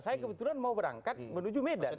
saya kebetulan mau berangkat menuju medan